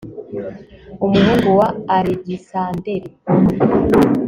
umuhungu wa alegisanderi